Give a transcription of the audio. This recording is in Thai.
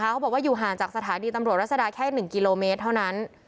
เขาบอกว่าอยู่ห่างจากสถานีตำรวจรัศดาแค่๑กิโลเมตรเท่านั้น